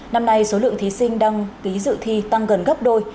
năm nay số lượng thí sinh đăng ký dự thi tăng gần gấp đôi